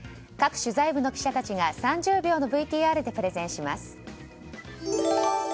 各取材部の記者たちが３０秒のＶＴＲでプレゼンします。